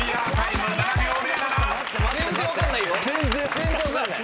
⁉全然分かんない。